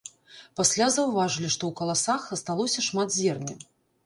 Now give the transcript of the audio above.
Пасля заўважылі, што ў каласах асталося шмат зерня.